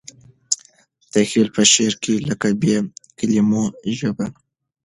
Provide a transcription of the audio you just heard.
تخیل په شعر کې لکه بې کلیمو ژبه دی.